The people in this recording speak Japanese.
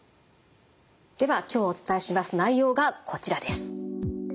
では今日お伝えします内容がこちらです。